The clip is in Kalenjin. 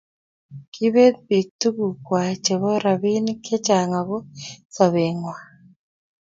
kibeet biik tuguk kwai chebo robinik chechang ago sobengwai